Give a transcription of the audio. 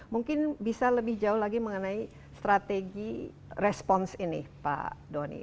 mungkin bisa lebih jauh lagi mengenai strategi respons ini pak doni